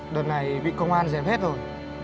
đợt này bị công an dèm hết rồi